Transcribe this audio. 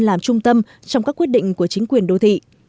làm trung tâm trong các quyết định của chính quyền đô thị